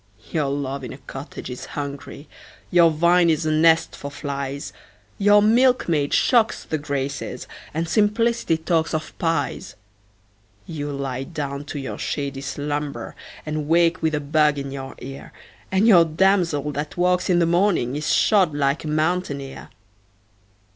Your love in a cottage is hungry, Your vine is a nest for flies Your milkmaid shocks the Graces, And simplicity talks of pies! You lie down to your shady slumber And wake with a bug in your ear, And your damsel that walks in the morning Is shod like a mountaineer.